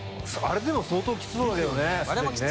あれでも相当きつそうだよね。